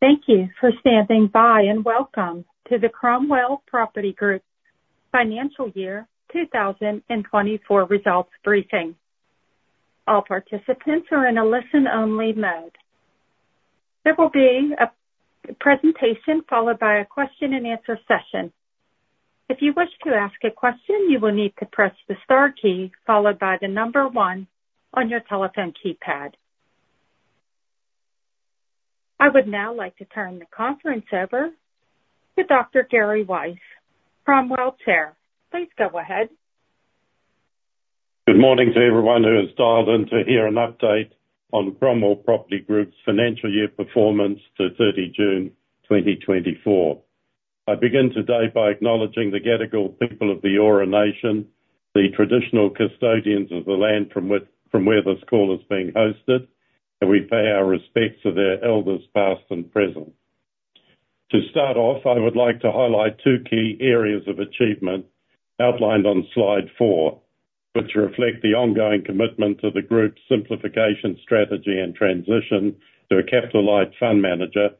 Thank you for standing by, and welcome to the Cromwell Property Group Financial Year 2024 Results Briefing. All participants are in a listen-only mode. There will be a presentation followed by a question-and-answer session. If you wish to ask a question, you will need to press the star key followed by the number one on your telephone keypad. I would now like to turn the conference over to Dr. Gary Weiss, Cromwell Chair. Please go ahead. Good morning to everyone who has dialed in to hear an update on Cromwell Property Group's financial year performance to 30 June 2024. I begin today by acknowledging the Gadigal people of the Eora Nation, the traditional custodians of the land from which this call is being hosted, and we pay our respects to their elders, past and present. To start off, I would like to highlight two key areas of achievement outlined on slide four, which reflect the ongoing commitment to the group's simplification strategy and transition to a capital-light fund manager,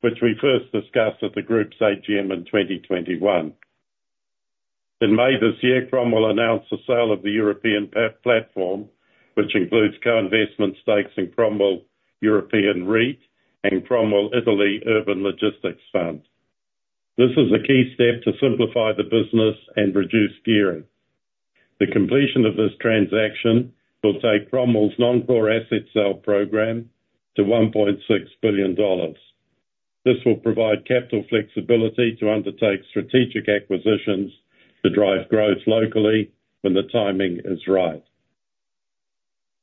which we first discussed at the group's AGM in 2021. In May this year, Cromwell announced the sale of the European platform, which includes co-investment stakes in Cromwell European REIT and Cromwell Italy Urban Logistics Fund. This is a key step to simplify the business and reduce gearing. The completion of this transaction will take Cromwell's non-core asset sale program to 1.6 billion dollars. This will provide capital flexibility to undertake strategic acquisitions to drive growth locally when the timing is right.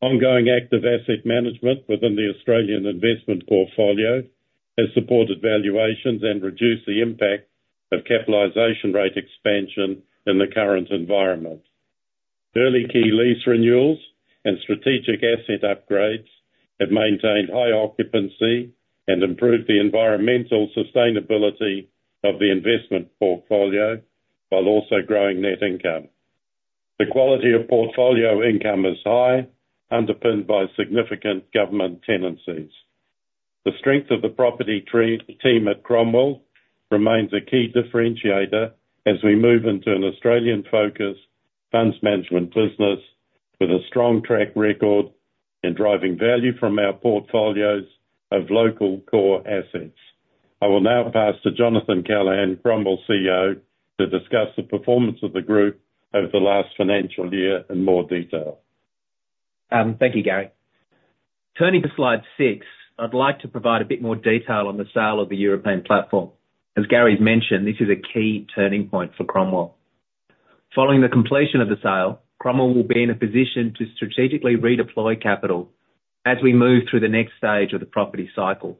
Ongoing active asset management within the Australian investment portfolio has supported valuations and reduced the impact of capitalization rate expansion in the current environment. Early key lease renewals and strategic asset upgrades have maintained high occupancy and improved the environmental sustainability of the investment portfolio, while also growing net income. The quality of portfolio income is high, underpinned by significant government tenancies. The strength of the property team at Cromwell remains a key differentiator as we move into an Australian-focused funds management business with a strong track record in driving value from our portfolios of local core assets. I will now pass to Jonathan Callaghan, Cromwell CEO, to discuss the performance of the group over the last financial year in more detail. Thank you, Gary. Turning to slide six, I'd like to provide a bit more detail on the sale of the European platform. As Gary's mentioned, this is a key turning point for Cromwell. Following the completion of the sale, Cromwell will be in a position to strategically redeploy capital as we move through the next stage of the property cycle.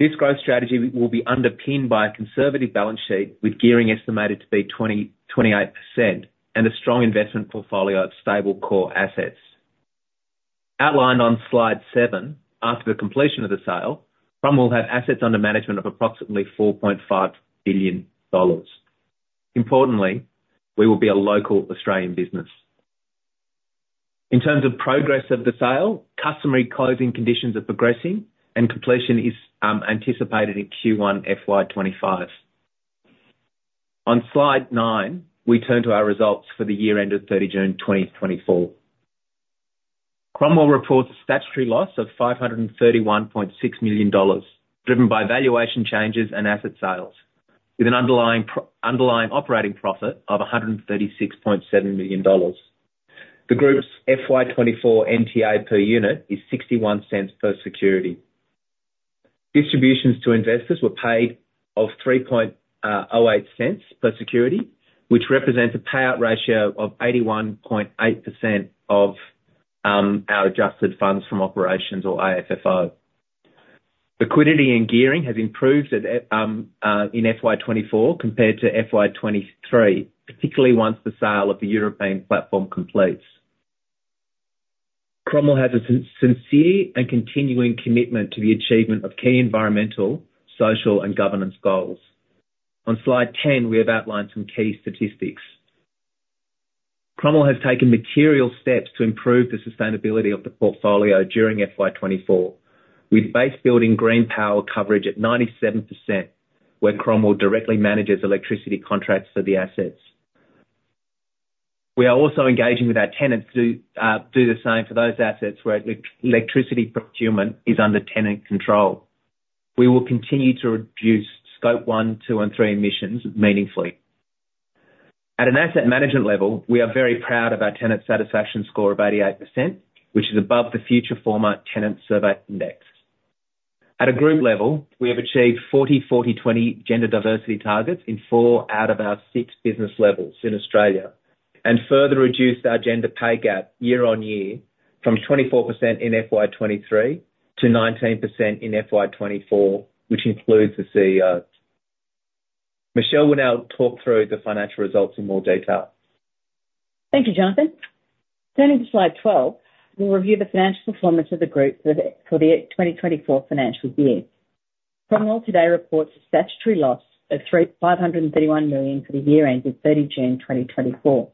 This growth strategy will be underpinned by a conservative balance sheet, with gearing estimated to be 20%-28%, and a strong investment portfolio of stable core assets. Outlined on slide seven, after the completion of the sale, Cromwell will have assets under management of approximately 4.5 billion dollars. Importantly, we will be a local Australian business. In terms of progress of the sale, customary closing conditions are progressing, and completion is anticipated in Q1 FY 2025. On Slide nine, we turn to our results for the year ended 30 June 2024. Cromwell reports a statutory loss of 531.6 million dollars, driven by valuation changes and asset sales, with an underlying operating profit of 136.7 million dollars. The group's FY 2024 NTA per unit is 0.61 per security. Distributions to investors were paid of 0.0308 per security, which represents a payout ratio of 81.8% of our adjusted funds from operations, or AFFO. Liquidity and gearing have improved in FY 2024 compared to FY 2023, particularly once the sale of the European platform completes. Cromwell has a sincere and continuing commitment to the achievement of key environmental, social, and governance goals. On Slide 10, we have outlined some key statistics. Cromwell has taken material steps to improve the sustainability of the portfolio during FY 2024, with base building green power coverage at 97%, where Cromwell directly manages electricity contracts for the assets. We are also engaging with our tenants to do the same for those assets where electricity procurement is under tenant control. We will continue to reduce Scope 1, 2, and 3 emissions meaningfully. At an asset management level, we are very proud of our tenant satisfaction score of 88%, which is above the future former tenant survey index. At a group level, we have achieved 40/40/20 gender diversity targets in four out of our six business levels in Australia, and further reduced our gender pay gap year-on-year from 24% in FY 2023 to 19% in FY 2024, which includes the CEO. Michelle will now talk through the financial results in more detail. Thank you, Jonathan. Turning to slide 12, we'll review the financial performance of the group for the 2024 financial year. Cromwell today reports a statutory loss of 351 million for the year ended 30 June 2024....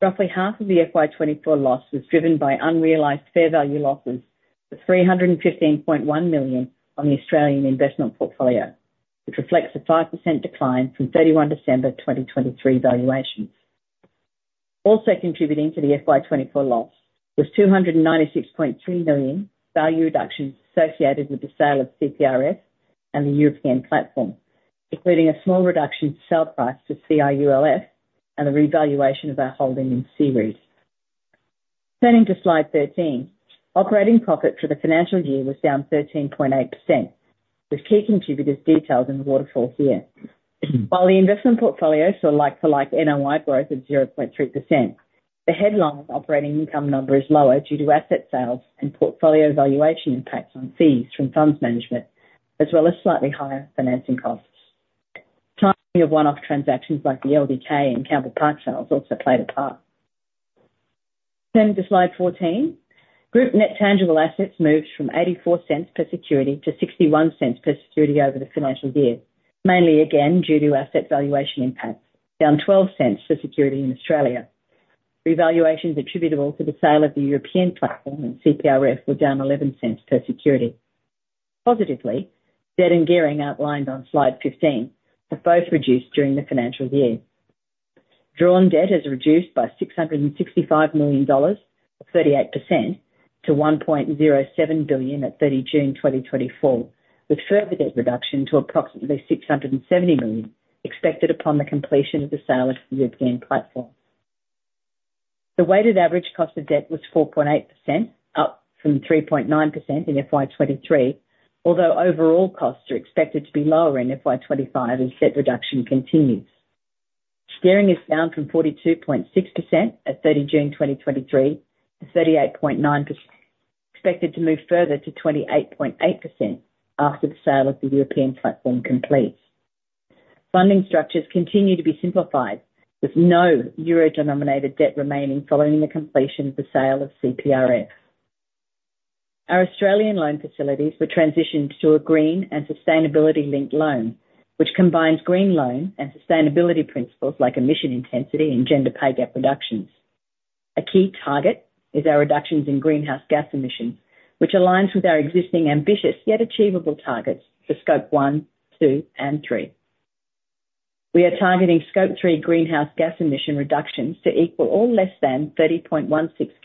Roughly half of the FY 2024 loss was driven by unrealized fair value losses of 315.1 million on the Australian investment portfolio, which reflects a 5% decline from 31 December 2023 valuations. Also contributing to the FY 2024 loss was 296.3 million value reductions associated with the sale of CPRF and the European platform, including a small reduction sell price to CIULF and a revaluation of our holding in CEREIT. Turning to slide 13, operating profit for the financial year was down 13.8%, with key contributors detailed in the waterfall here. While the investment portfolio saw like-for-like NOI growth of 0.3%, the headline operating income number is lower due to asset sales and portfolio valuation impacts on fees from funds management, as well as slightly higher financing costs. Timing of one-off transactions, like the LDK and Campbell Park sales, also played a part. Turning to slide 14, group net tangible assets moved from 0.84 per security to 0.61 per security over the financial year, mainly again due to asset valuation impacts, down 0.12 per security in Australia. Revaluations attributable to the sale of the European platform and CPRF were down 0.11 per security. Positively, debt and gearing outlined on slide 15 have both reduced during the financial year. Drawn debt has reduced by 665 million dollars, or 38%, to 1.07 billion at 30 June 2024, with further debt reduction to approximately 670 million, expected upon the completion of the sale of the European platform. The weighted average cost of debt was 4.8%, up from 3.9% in FY 2023, although overall costs are expected to be lower in FY 2025 as debt reduction continues. Gearing is down from 42.6% at 30 June 2023, to 38.9%, expected to move further to 28.8% after the sale of the European platform completes. Funding structures continue to be simplified, with no euro-denominated debt remaining following the completion of the sale of CPRF. Our Australian loan facilities were transitioned to a green and sustainability-linked loan, which combines green loan and sustainability principles like emission intensity and gender pay gap reductions. A key target is our reductions in greenhouse gas emissions, which aligns with our existing ambitious, yet achievable targets for Scope 1, 2, and 3. We are targeting Scope 3 greenhouse gas emission reductions to equal or less than 30.16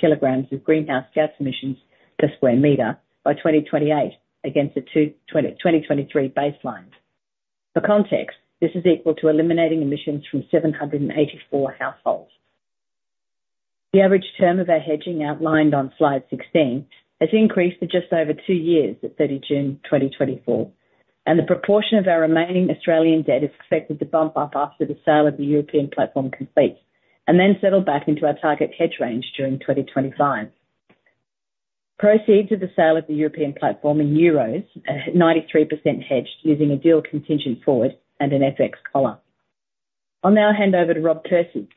kg of greenhouse gas emissions per square meter by 2028 against a 2023 baseline. For context, this is equal to eliminating emissions from 784 households. The average term of our hedging, outlined on slide 16, has increased to just over two years at 30 June 2024, and the proportion of our remaining Australian debt is expected to bump up after the sale of the European platform completes, and then settle back into our target hedge range during 2025. Proceeds of the sale of the European platform in euros are 93% hedged, using a deal contingent forward and an FX collar. I'll now hand over to Rob Percy,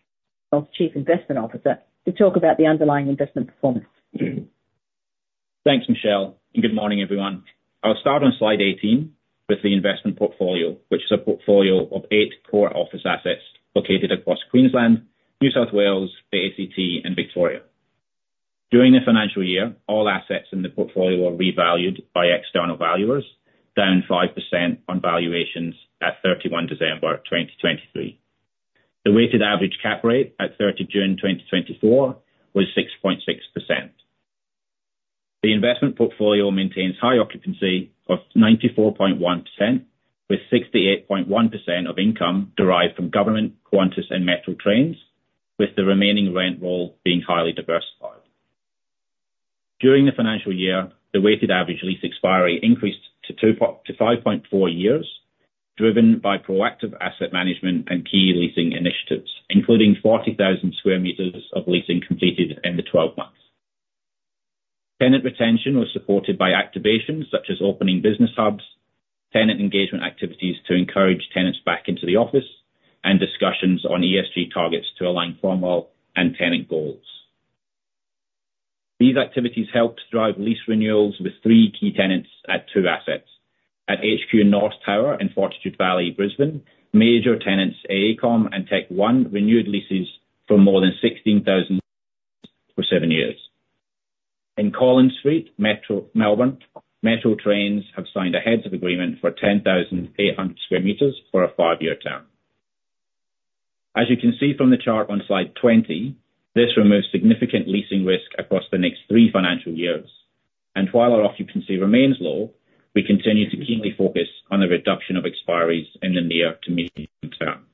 our Chief Investment Officer, to talk about the underlying investment performance. Thanks, Michelle, and good morning, everyone. I'll start on slide 18 with the investment portfolio, which is a portfolio of eight core office assets located across Queensland, New South Wales, the ACT, and Victoria. During the financial year, all assets in the portfolio were revalued by external valuers, down 5% on valuations at 31 December 2023. The weighted average cap rate at 30 June 2024 was 6.6%. The investment portfolio maintains high occupancy of 94.1%, with 68.1% of income derived from government, Qantas, and Metro Trains, with the remaining rent roll being highly diversified. During the financial year, the weighted average lease expiry increased to 5.4 years, driven by proactive asset management and key leasing initiatives, including 40,000 square meters of leasing completed in the 12 months. Tenant retention was supported by activations such as opening business hubs, tenant engagement activities to encourage tenants back into the office, and discussions on ESG targets to align firm and tenant goals. These activities helped drive lease renewals with three key tenants at two assets. At HQ North Tower in Fortitude Valley, Brisbane, major tenants AECOM and TechnologyOne renewed leases for more than 16,000 for seven years. In Collins Street, Melbourne, Metro Trains have signed a heads of agreement for 10,800 square meters for a five year term. As you can see from the chart on slide 20, this removes significant leasing risk across the next three financial years, and while our occupancy remains low, we continue to keenly focus on the reduction of expiries in the near to medium term.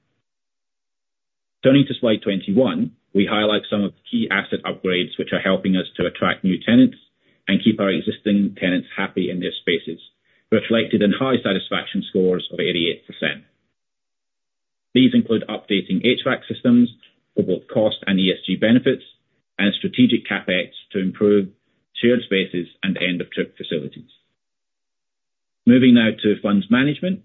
Turning to slide 21, we highlight some of the key asset upgrades, which are helping us to attract new tenants and keep our existing tenants happy in their spaces, reflected in high satisfaction scores of 88%. These include updating HVAC systems for both cost and ESG benefits and strategic CapEx to improve shared spaces and end-of-trip facilities. Moving now to funds management.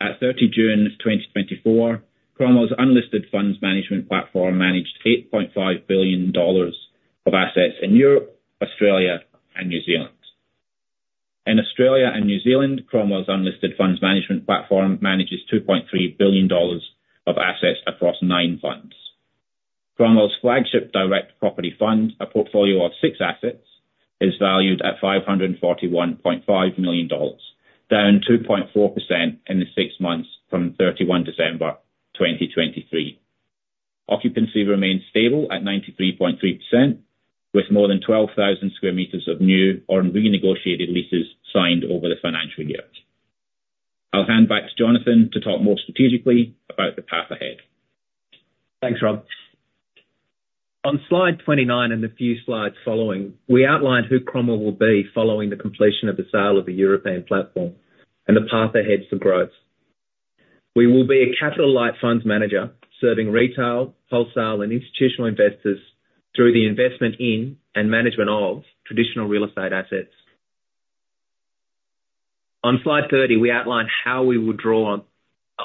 At 30 June 2024, Cromwell's unlisted funds management platform managed 8.5 billion dollars of assets in Europe, Australia, and New Zealand. In Australia and New Zealand, Cromwell's unlisted funds management platform manages 2.3 billion dollars of assets across nine funds. Cromwell's flagship direct property fund, a portfolio of six assets, is valued at 541.5 million dollars, down 2.4% in the six months from 31 December 2023. Occupancy remains stable at 93.3%, with more than 12,000 sq m of new or renegotiated leases signed over the financial year. I'll hand back to Jonathan to talk more strategically about the path ahead. Thanks, Rob. On slide 29, and the few slides following, we outlined who Cromwell will be following the completion of the sale of the European platform and the path ahead for growth. We will be a capital light funds manager serving retail, wholesale, and institutional investors through the investment in and management of traditional real estate assets. On slide 30, we outline how we will draw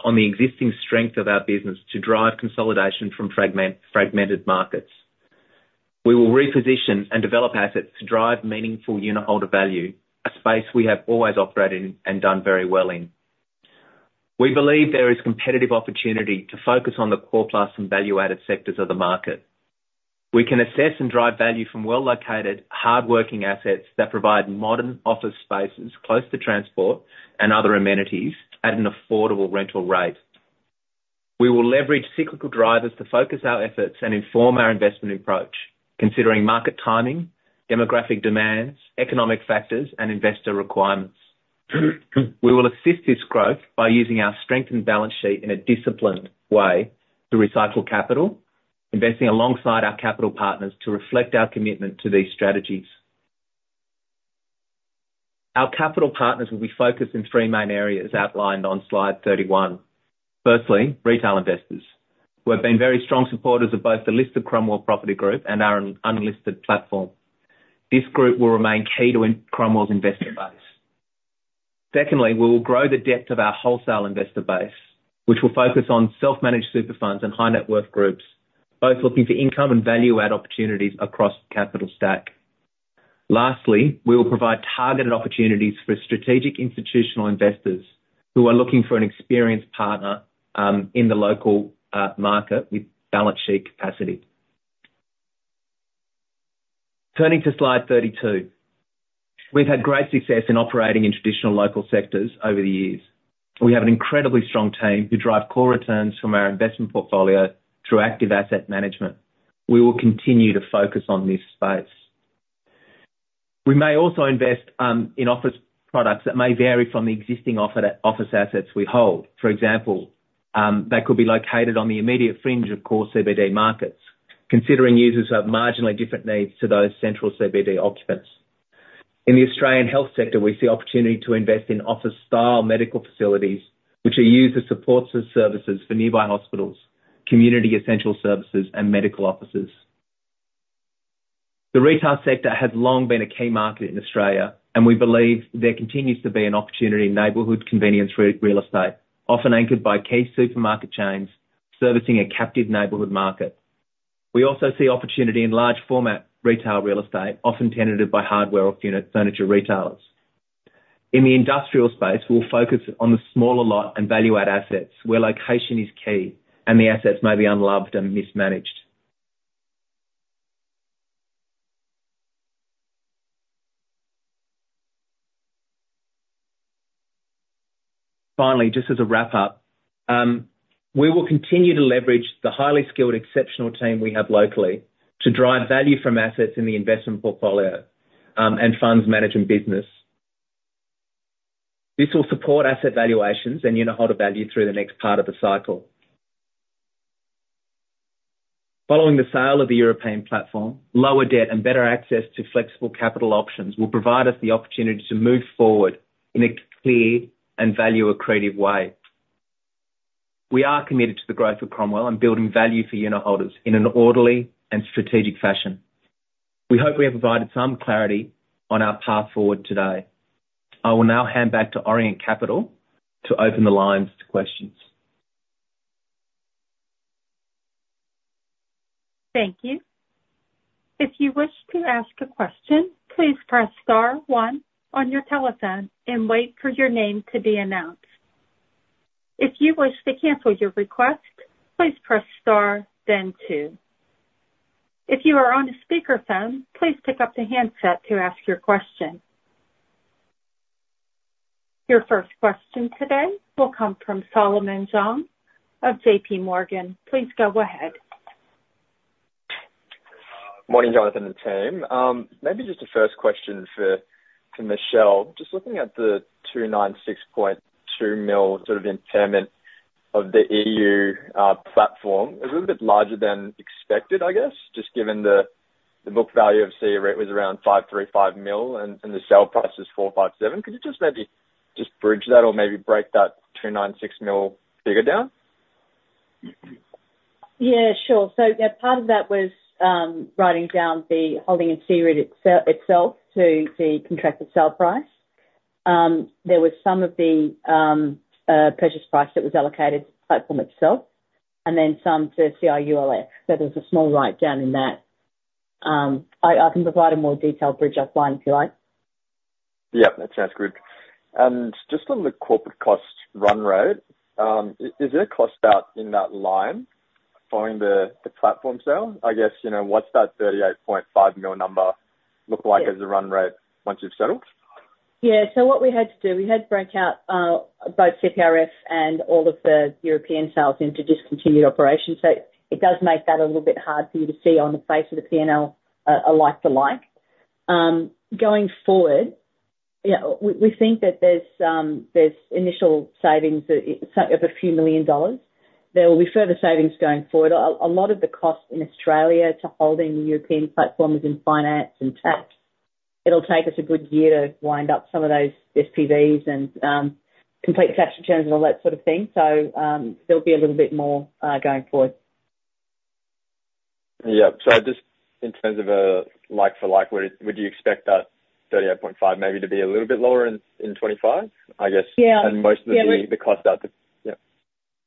on the existing strength of our business to drive consolidation from fragmented markets. We will reposition and develop assets to drive meaningful unitholder value, a space we have always operated in and done very well in. We believe there is competitive opportunity to focus on the core plus and value-added sectors of the market. We can assess and drive value from well-located, hardworking assets that provide modern office spaces close to transport and other amenities at an affordable rental rate. We will leverage cyclical drivers to focus our efforts and inform our investment approach, considering market timing, demographic demands, economic factors, and investor requirements. We will assist this growth by using our strengthened balance sheet in a disciplined way to recycle capital, investing alongside our capital partners to reflect our commitment to these strategies. Our capital partners will be focused in three main areas outlined on slide 31. Firstly, retail investors, who have been very strong supporters of both the listed Cromwell Property Group and our unlisted platform. This group will remain key to Cromwell's investor base. Secondly, we will grow the depth of our wholesale investor base, which will focus on self-managed super funds and high net worth groups, both looking for income and value-add opportunities across capital stack. Lastly, we will provide targeted opportunities for strategic institutional investors who are looking for an experienced partner in the local market with balance sheet capacity. Turning to slide 32. We've had great success in operating in traditional local sectors over the years. We have an incredibly strong team who drive core returns from our investment portfolio through active asset management. We will continue to focus on this space. We may also invest in office products that may vary from the existing office assets we hold. For example, they could be located on the immediate fringe, of course, CBD markets, considering users have marginally different needs to those central CBD occupants. In the Australian health sector, we see opportunity to invest in office-style medical facilities, which are used as support services for nearby hospitals, community essential services, and medical offices. The retail sector has long been a key market in Australia, and we believe there continues to be an opportunity in neighborhood convenience real estate, often anchored by key supermarket chains servicing a captive neighborhood market. We also see opportunity in large format, retail real estate, often tenanted by hardware or unit furniture retailers. In the industrial space, we'll focus on the smaller lot and value-add assets, where location is key and the assets may be unloved and mismanaged. Finally, just as a wrap-up, we will continue to leverage the highly skilled, exceptional team we have locally to drive value from assets in the investment portfolio, and funds management business. This will support asset valuations and unitholder value through the next part of the cycle. Following the sale of the European platform, lower debt and better access to flexible capital options will provide us the opportunity to move forward in a clear and value-accretive way. We are committed to the growth of Cromwell and building value for unitholders in an orderly and strategic fashion. We hope we have provided some clarity on our path forward today. I will now hand back to Orient Capital to open the lines to questions. Thank you. If you wish to ask a question, please press star one on your telephone and wait for your name to be announced. If you wish to cancel your request, please press star, then two. If you are on a speakerphone, please pick up the handset to ask your question. Your first question today will come from Solomon Zhang of JPMorgan. Please go ahead. Morning, Jonathan and team. Maybe just a first question for to Michelle. Just looking at the 296.2 million sort of impairment of the EU platform. A little bit larger than expected, I guess, just given the book value of CEREIT was around 535 million, and the sale price is 457 million. Could you just maybe just bridge that or maybe break that 296.2 million figure down? Yeah, sure. So, yeah, part of that was writing down the holding in CEREIT itself to the contracted sale price. There was some of the purchase price that was allocated to the platform itself, and then some to CIULF, where there was a small write-down in that. I can provide a more detailed bridge offline, if you like? Yep, that sounds good. And just on the corporate cost run rate, is there a cost out in that line following the platform sale? I guess, you know, what's that 38.5 million number look like as a run rate once you've settled? Yeah. So what we had to do, we had to break out both CPRF and all of the European sales into discontinued operations. So it does make that a little bit hard for you to see on the face of the P&L a like to like. Going forward, yeah, we think that there's initial savings of a few million AUD. There will be further savings going forward. A lot of the costs in Australia to holding the European platform is in finance and tax. It'll take us a good year to wind up some of those SPVs and complete tax returns and all that sort of thing. So there'll be a little bit more going forward. Yep. So just in terms of a like for like, would you expect that 38.5 maybe to be a little bit lower in 2025? I guess- Yeah. and most of the cost out the... Yep.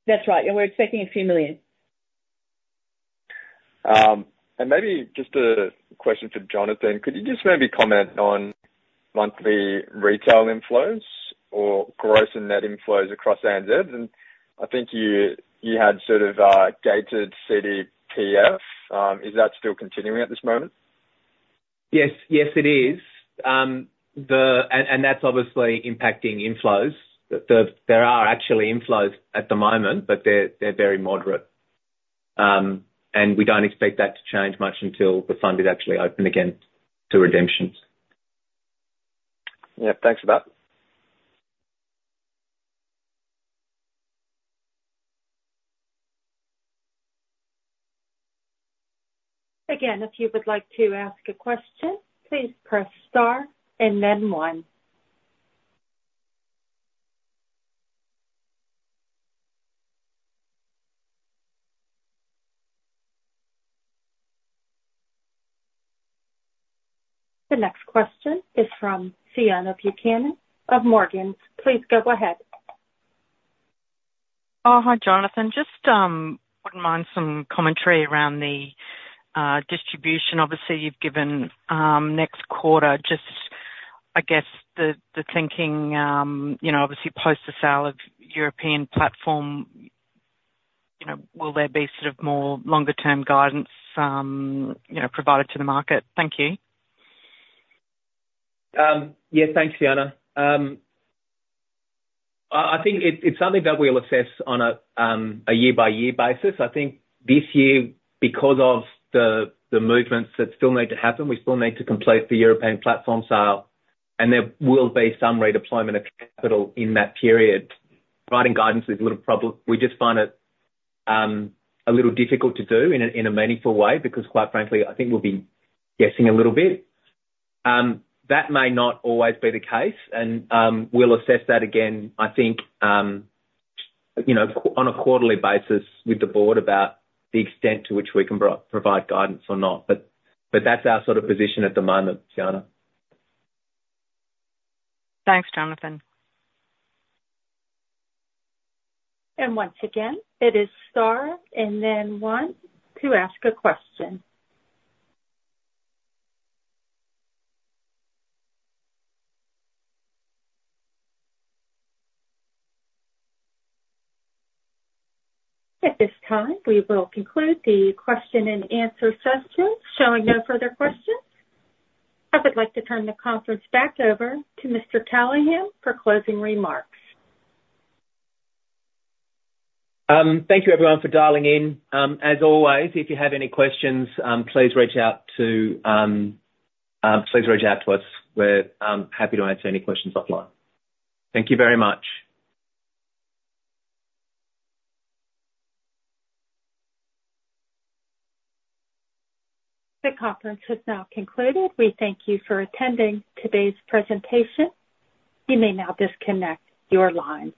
That's right, and we're expecting a few million. Maybe just a question for Jonathan. Could you just maybe comment on monthly retail inflows or gross and net inflows across ANZ? And I think you had sort of gated CDPF. Is that still continuing at this moment? Yes. Yes, it is. That's obviously impacting inflows. There are actually inflows at the moment, but they're very moderate, and we don't expect that to change much until the fund is actually open again to redemptions. Yep. Thanks for that. Again, if you would like to ask a question, please press star and then one. The next question is from Fiona Buchanan of Morgans. Please go ahead. Oh, hi, Jonathan. Just, wouldn't mind some commentary around the distribution. Obviously, you've given next quarter, just, I guess, the thinking, you know, obviously post the sale of European platform, you know, will there be sort of more longer-term guidance, you know, provided to the market? Thank you. Yeah. Thanks, Fiona. I think it's something that we'll assess on a year-by-year basis. I think this year, because of the movements that still need to happen, we still need to complete the European platform sale, and there will be some redeployment of capital in that period. Providing guidance is a little problem. We just find it a little difficult to do in a meaningful way because quite frankly, I think we'll be guessing a little bit. That may not always be the case, and we'll assess that again, I think, you know, on a quarterly basis with the board about the extent to which we can provide guidance or not. But that's our sort of position at the moment, Fiona. Thanks, Jonathan. Once again, it is star and then one to ask a question. At this time, we will conclude the question and answer session. Showing no further questions, I would like to turn the conference back over to Mr. Callaghan for closing remarks. Thank you, everyone, for dialing in. As always, if you have any questions, please reach out to us. We're happy to answer any questions offline. Thank you very much. The conference has now concluded. We thank you for attending today's presentation. You may now disconnect your lines.